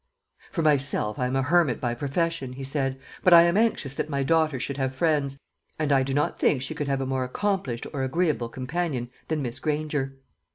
"For myself, I am a hermit by profession," he said; "but I am anxious that my daughter should have friends, and I do not think she could have a more accomplished or agreeable companion than Miss Granger."